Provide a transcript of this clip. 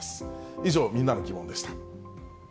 以上、みんなのギモンでした。